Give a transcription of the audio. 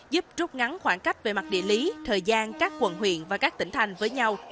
giúp trút ngắn khoảng cách về mặt địa lý thời gian các quận huyện và các tỉnh thành với nhau